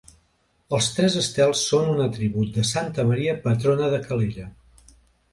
Els tres estels són un atribut de Santa Maria, patrona de Calella.